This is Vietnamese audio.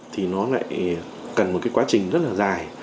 thì nó lại cần một cái quá trình rất là dài